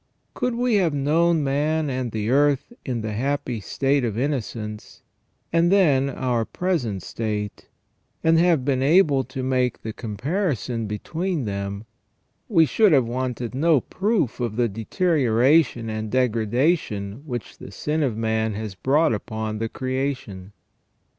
Could we have known man and the earth in the happy state of innocence, and then our present state, and have been able to make the com parison between them, we should have wanted no proof of the deterioration and degradation which the sin of man has brought upon the creation.